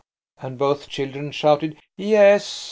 and both children shouted "Yes!"